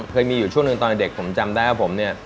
เคยมีอยู่ช่วงหนึ่งตอนเด็กผมจำได้ว่าผมเนี่ย